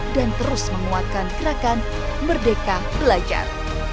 dan terus menguatkan gerakan merdeka belajar